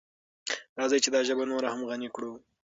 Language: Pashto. راځئ چې دا ژبه نوره هم غني کړو.